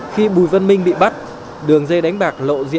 khi bùi văn minh bị bắt đường dây đánh bạc lộ diễ